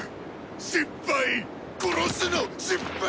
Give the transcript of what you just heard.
失敗殺すの失敗！